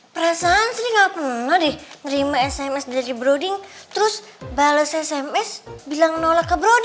perasaan sri gak pernah deh nerima sms dari brody terus bales sms bilang nolak ke brody